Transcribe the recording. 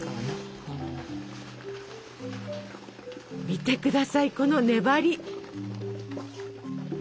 見て下さいこの粘り！